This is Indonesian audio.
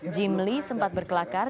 jimli sempat berkelakar